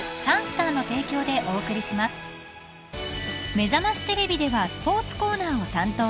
［『めざましテレビ』ではスポーツコーナーを担当］